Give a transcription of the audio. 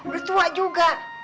udah tua juga